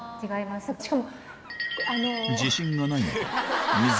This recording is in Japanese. しかも。